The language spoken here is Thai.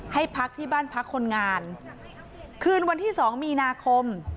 ให้พักที่บ้านพักคนงานคืนวันที่สองมีนาคม